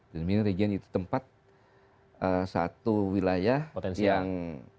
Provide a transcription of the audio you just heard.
the winning region itu tempat satu wilayah yang potensial